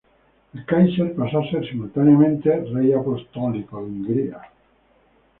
El káiser pasó a ser simultáneamente "rey apostólico" de Hungría.